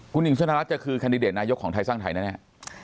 คุณหญิงชนะรัฐจะคือแคนดิเดตนายกของไทยสร้างไทยแน่